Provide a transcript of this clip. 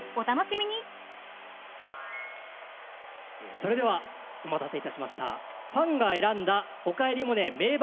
それではお待たせいたしました。